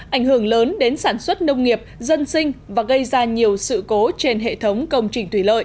ảnh hưởng lớn đến sản xuất nông nghiệp dân sinh và gây ra nhiều sự cố trên hệ thống công trình thủy lợi